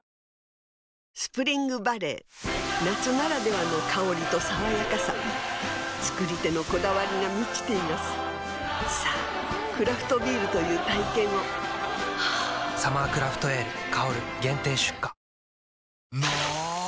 スプリングバレー夏ならではの香りと爽やかさ造り手のこだわりが満ちていますさぁクラフトビールという体験を「サマークラフトエール香」限定出荷の！